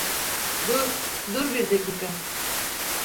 Dur, dur bir dakika.